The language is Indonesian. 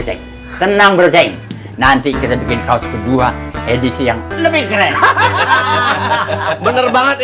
cek tenang bersaing nanti kita bikin kaos kedua edisi yang lebih keras bener banget